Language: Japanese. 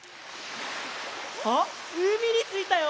あっうみについたよ！